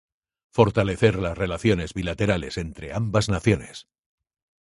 Fortalecer las relaciones bilaterales entre ambas naciones.